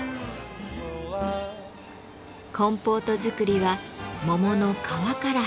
コンポートづくりは桃の「皮」から始まります。